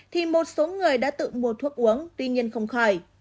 thì một số người đã tự mua thuốc uống tuy nhiên không khỏi